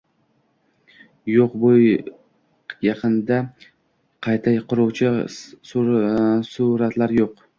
Yo‘q, bu yaqinda qayta quruvchi suvratlar yo‘q.